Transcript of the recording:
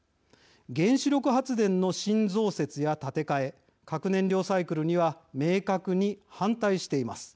「原子力発電の新増設や建て替え核燃料サイクルには明確に反対しています。